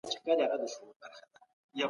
د کوچني په کڅوڼي کي مي ډېر رنګونه ایښي دي.